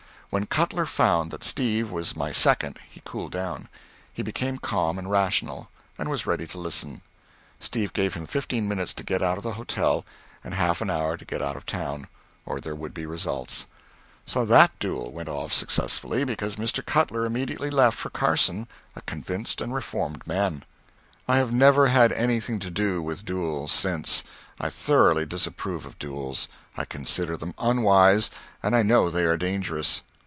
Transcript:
When Cutler found that Steve was my second he cooled down; he became calm and rational, and was ready to listen. Steve gave him fifteen minutes to get out of the hotel, and half an hour to get out of town or there would be results. So that duel went off successfully, because Mr. Cutler immediately left for Carson a convinced and reformed man. I have never had anything to do with duels since. I thoroughly disapprove of duels. I consider them unwise, and I know they are dangerous.